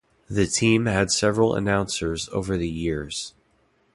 The team had several announcers over the years.